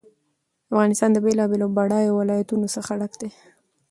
افغانستان له بېلابېلو او بډایه ولایتونو څخه ډک دی.